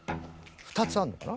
２つあるのかな？